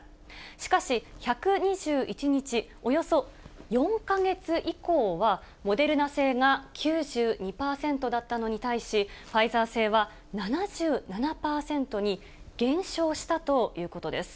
しかし１２１日、およそ４か月以降は、モデルナ製が９２％だったのに対し、ファイザー製は７７％に減少したということです。